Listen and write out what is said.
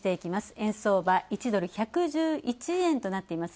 円相場、１ドル＝１１１円となっています。